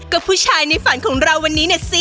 ก็ผู้ชายในฝันของเราวันนี้เนี่ยสิ